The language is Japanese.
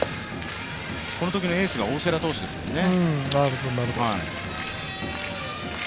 このときのエースが大瀬良投手ですよね。